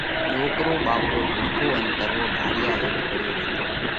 ڏوڪرو ٻاپڙو ڀُوکو ان ترهو، ڍاۯِيا هيٺ پڙيو ريتو۔